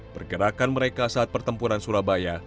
pergerakan mereka saat pertempuran surabaya